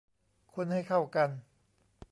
คนให้เข้ากัน